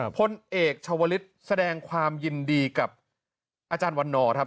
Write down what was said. พลเอกชาวลิศแสดงความยินดีกับอาจารย์วันนอร์ครับ